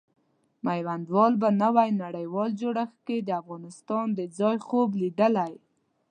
میوندوال په نوي نړیوال جوړښت کې د افغانستان د ځای خوب لیدلی.